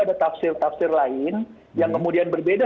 ada tafsir tafsir lain yang kemudian berbeda